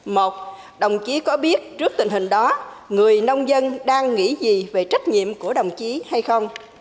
một đồng chí có biết trước tình hình đó người nông dân đang nghĩ gì về trách nhiệm của đồng chí hay không